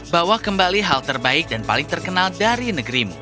bawa kembali hal terbaik dan paling terkenal dari negerimu